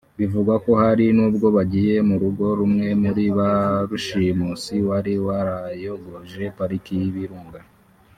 Bivugwa ko hari nubwo yagiye mu rugo rw’umwe muri ba rushimusi wari warayogoje pariki y’Ibirunga